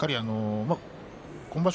今場所